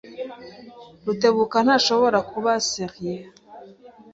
Rutebuka ntashobora kuba serieux.